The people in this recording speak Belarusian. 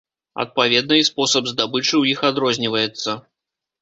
Адпаведна і спосаб здабычы ў іх адрозніваецца.